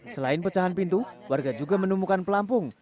selain pecahan pintu warga juga menemukan pelampung